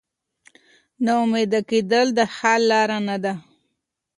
نا امیده کېدل د حل لاره نه ده.